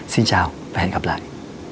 xin chào và hẹn gặp lại